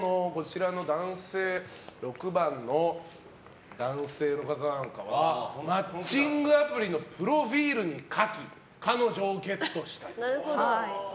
６番の男性の方なんかはマッチングアプリのプロフィールに書き彼女をゲットしたい。